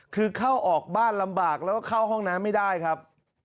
คือเข้าออกบ้านลำบากแล้วก็เข้าห้องน้ำไม่ได้ครับ